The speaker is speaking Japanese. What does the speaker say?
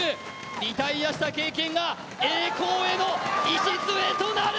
リタイアした経験が栄光への礎となる。